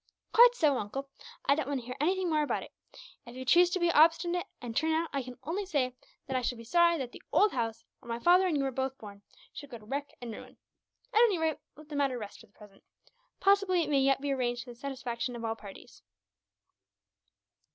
"Quite so, uncle. I don't want to hear anything more about it. If you choose to be obstinate, and turn out, I can only say that I shall be sorry that the old house, where my father and you were both born, should go to wreck and ruin. At any rate, let the matter rest, for the present. Possibly it may yet be arranged to the satisfaction of all parties."